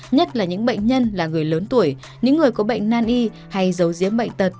nhất là những bệnh nhân là người lớn tuổi những người có bệnh nan y hay dấu diếm bệnh tật